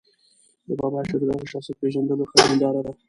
د بابا شعر د هغه شخصیت پېژندلو ښه هنداره ده.